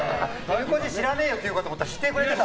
いぬこじ知らねえよって言うかと思ったら知ってくれてた。